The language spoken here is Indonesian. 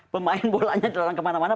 pemain bolanya dilarang kemana mana